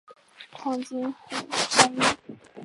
长津湖战役